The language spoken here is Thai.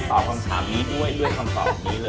สวัสดีครับ